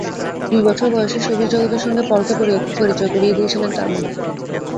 দুই বছর বয়সেই শোবিজ জগতের সঙ্গে পলকে পরিচয় করিয়ে দিয়েছিলেন তাঁর মা।